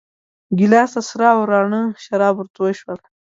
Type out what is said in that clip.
ګیلاس ته سره او راڼه شراب ورتوی شول.